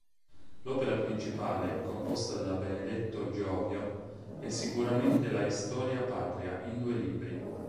L'opera principale composta da Benedetto Giovio è sicuramente la "Historia patria", in due libri.